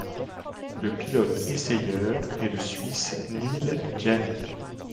Le pilote-essayeur est le Suisse Neel Jani.